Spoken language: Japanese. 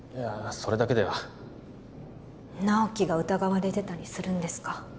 それだけでは直木が疑われてたりするんですか？